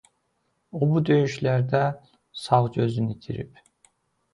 O bu döyüşlərdə sağ gözünü itirib.